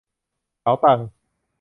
เป๋าตัง